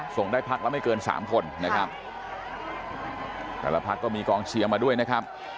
ส่งได้ภาพแล้วได้สามคนนะครับค่ะแต่ละภาพก็มีกองเชียร์มาด้วยนะครับ